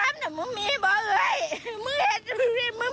คุณทำยังไงนะ